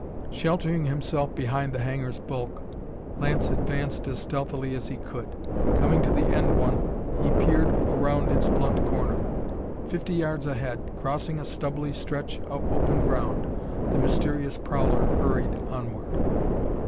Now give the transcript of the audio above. Sheltering himself behind the hangars' bulk, Lance advanced as stealthily as he could. Coming to the end one, he peered round its blunt corner. Fifty yards ahead, crossing a stubbly stretch of open ground, the mysterious prowler hurried onward.